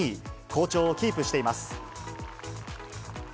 好調をキープしています。